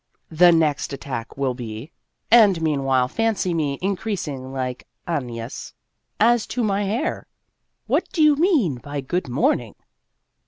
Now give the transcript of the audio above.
The next attack will be and meanwhile fancy me increasingly like ALneas " as to my hair "" What do you mean by ' good morning